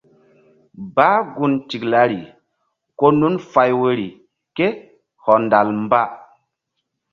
Bah gun tiklari ko nun fay woyri ké hɔndal mba.